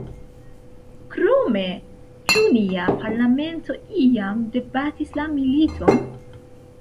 Krome: ĉu nia parlamento iam debatis la militon?